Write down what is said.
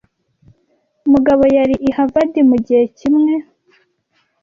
Mugabo yari i Harvard mugihe kimwe.